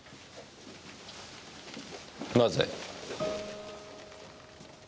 なぜ。